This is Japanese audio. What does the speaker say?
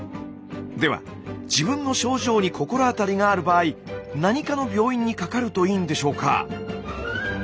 では自分の症状に心当たりがある場合何科の病院にかかるといいんでしょうか？